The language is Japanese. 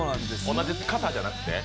同じ型じゃなくて？